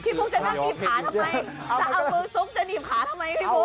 พี่ฟุกจะนั่งดีบหาทำไมสระเอามือซุฟจะดีบหาทำไมพี่ฟุก